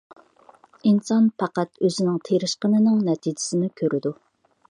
ئىنسان پەقەت ئۆزىنىڭ تىرىشقىنىنىڭ نەتىجىسىنى كۆرىدۇ.